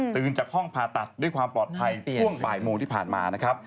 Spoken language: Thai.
ตื่นจากห้องภาษาด้วยความปลอดภัยช่วงป่ายมูลที่ผ่านมานะครับ